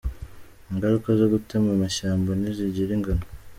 Ingaruka zo gutema amashyamba ntizigira ingano.